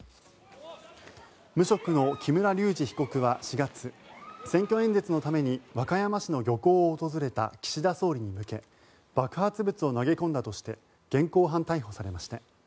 無職の木村隆二被告は４月選挙演説のために和歌山市の漁港を訪れた岸田総理に向け爆発物を投げ込んだとして現行犯逮捕されました。